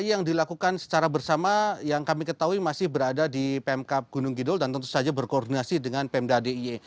jadi yang dilakukan secara bersama yang kami ketahui masih berada di pemkap gunung kidul dan tentu saja berkoordinasi dengan pemda dia